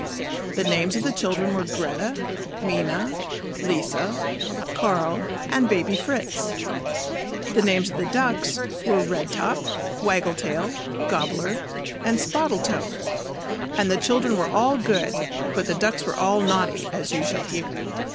The names of the children were Greta, Minna, Lisa, Carl and Baby Fritz. The names of the ducks were Red top, Waggle tail, Gobbler and Spottle toe; and the children were all good, but the ducks were all naughty, as you shall hear.